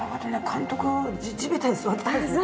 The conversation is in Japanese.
監督地べたに座ってたんですね。